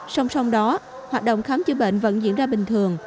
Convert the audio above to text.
song song đó hoạt động khám chữa bệnh vẫn diễn ra bình thường